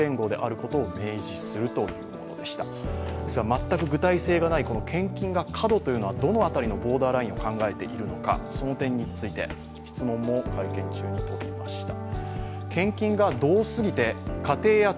全く具体性がない「献金が過度」というのはどの辺りのボーダーラインを考えているのか、その点について、質問も会見中に飛びました。